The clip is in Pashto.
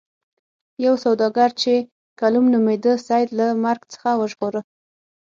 یو سوداګر چې کلوم نومیده سید له مرګ څخه وژغوره.